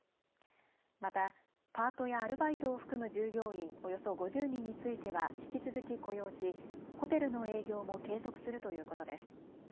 またパートやアルバイトを含む従業員およそ５０人については引き続き雇用しホテルの営業も継続するということです。